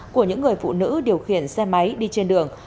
của những người phụ nữ điều khiển xe máy đi trên đường